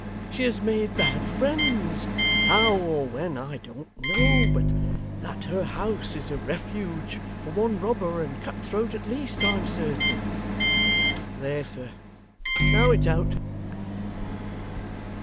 She has made bad friends, how, or when, I don't know; but that her house is a refuge for one robber and cut throat at least, I am certain. There, sir! Now it's out.